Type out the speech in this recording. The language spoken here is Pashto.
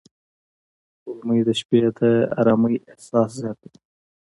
سپوږمۍ د شپې د آرامۍ احساس زیاتوي